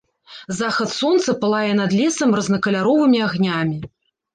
Захад сонца палае над лесам рознакаляровымі агнямі.